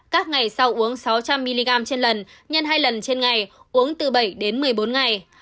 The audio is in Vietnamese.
các ngày sau uống sáu trăm linh mg trên lần nhân hai lần trên ngày uống từ bảy đến một mươi bốn ngày